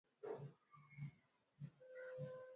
hilo hata mtu akiniuliza popote nitamweleza na nilivyoeleza